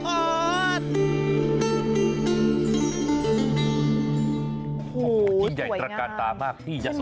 โหถ่วยงามที่ใหญ่ตระกาศตามากที่ยะสวทธรณ์